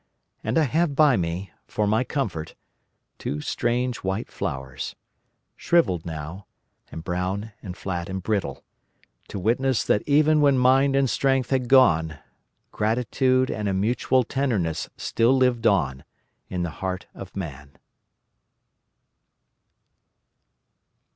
And I have by me, for my comfort, two strange white flowers—shrivelled now, and brown and flat and brittle—to witness that even when mind and strength had gone, gratitude and a mutual tenderness still lived on in the heart of man.